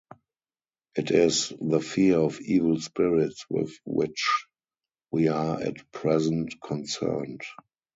It is the fear of evil spirits with which we are at present concerned.